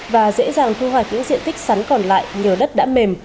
và dễ dàng thu hoạch những diện tích sắn còn lại nhờ đất đã mềm